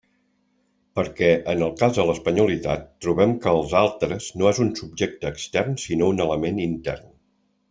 Perquè en el cas de l'espanyolitat trobem que els «altres» no és un subjecte extern sinó un element intern.